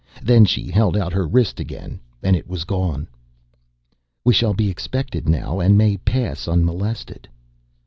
Then she held out her wrist again and it was gone. "We shall be expected now and may pass unmolested."